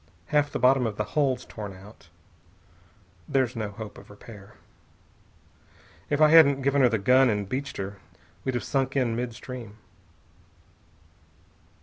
Half the bottom of the hull's torn out. There's no hope of repair. If I hadn't given her the gun and beached her, we'd have sunk in mid stream."